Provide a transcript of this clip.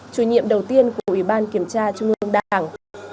chủ nhiệm đầu tiên của ủy ban kiểm tra trung ương đảng